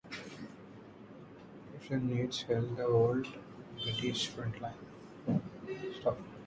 The division now held the old British front line.